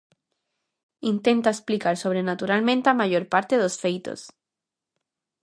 Intenta explicar sobrenaturalmente a maior parte dos feitos.